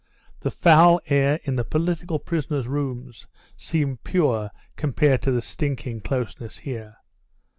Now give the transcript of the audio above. The foul air in the political prisoners' rooms seemed pure compared to the stinking closeness here.